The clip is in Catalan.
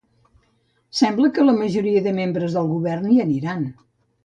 Sembla que la majoria de membres del govern hi aniran.